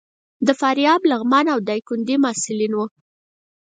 د فاریاب، لغمان او ډایکنډي محصلین وو.